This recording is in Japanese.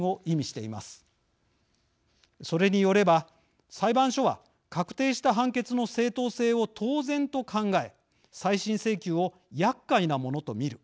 それによれば裁判所は確定した判決の正当性を当然と考え再審請求をやっかいなものと見る。